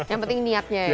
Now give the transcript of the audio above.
yang penting niatnya ya